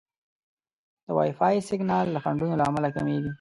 د وائی فای سیګنال د خنډونو له امله کمېږي.